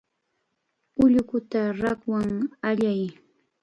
Ullukuta rakwan allay.